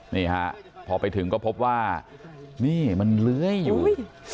นี่ฮะพอไปถึงก็พบว่านี่มันเลื้อยอยู่